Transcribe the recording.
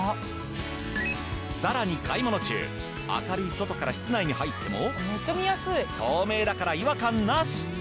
さらに買い物中明るい外から室内に入っても透明だから違和感なし！